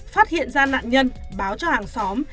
phát hiện ra nạn nhân báo cho hàng xóm